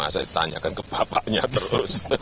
saya ditanyakan ke bapaknya terus